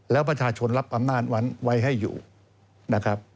แล้วประชาชนรับอำนาจไว้ให้อยู่นะครับ